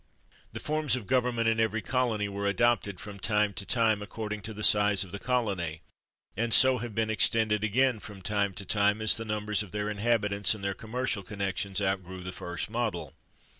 The forms of govern ment in every colony were adopted, from time to time, according to the size of the colony; and so have been extended again, from time to time, as the numbers of their inhabitants and their 235 THE WORLD'S FAMOUS ORATIONS commercial connections outgrew the first model.